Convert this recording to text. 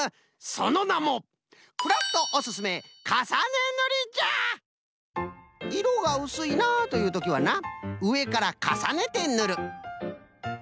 そのなもいろがうすいなあというときはなうえからかさねてぬる。